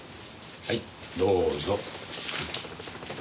はいどうぞ。